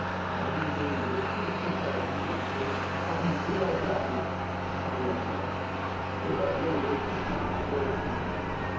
and you may with great propriety answer: " Ahmwillahwahloo," "I am well." They have no word for "thanks" or "thank you."